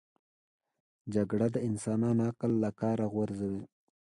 جګړه د انسان عقل له کاره غورځوي